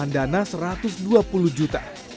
mencari tambahan dana satu ratus dua puluh juta